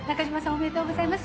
おめでとうございます。